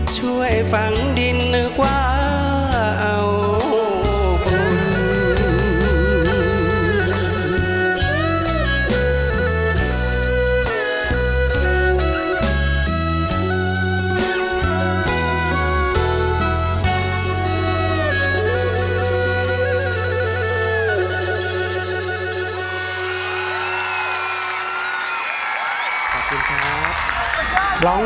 ช่วยฝังดินหรือกว่า